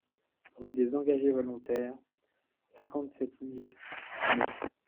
Rue des Engagés Volontaires, cinquante-sept mille Metz